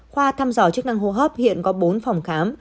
khoa thăm dò chức năng hô hấp hiện có bốn phòng khám